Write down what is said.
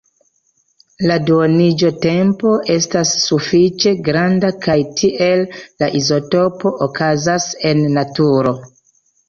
La duoniĝotempo estas sufiĉe granda kaj tiel la izotopo okazas en naturo.